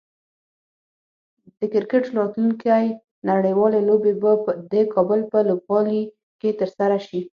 د کرکټ راتلونکی نړیوالې لوبې به د کابل په لوبغالي کې ترسره شي